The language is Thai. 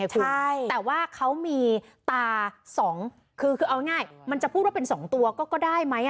แต่ว่าเขามีตา๒คือเอาง่ายมันจะพูดว่าเป็น๒ตัวก็ได้ไหม